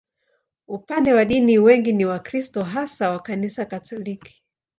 Upande wa dini, wengi ni Wakristo, hasa wa Kanisa Katoliki.